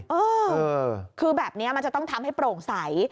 เออคือแบบนี้มันจะต้องทำให้โปร่งใส